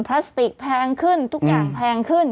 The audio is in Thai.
พลาสติกแพงขึ้นทุกอย่างแพงขึ้น